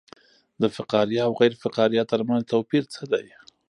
د فقاریه او غیر فقاریه ترمنځ توپیر څه دی